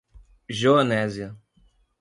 Joanésia